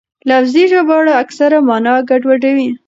لفظي ژباړه اکثره مانا ګډوډوي.